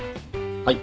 はい。